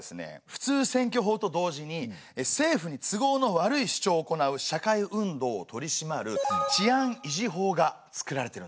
普通選挙法と同時に政府に都合の悪い主張をおこなう社会運動を取り締まる治安維持法が作られてるんですよ。